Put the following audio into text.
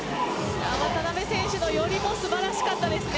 渡邊選手の寄りも素晴らしかったですね。